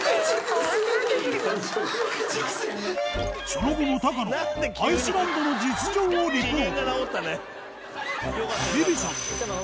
その後も高野はアイスランドの実情をリポート。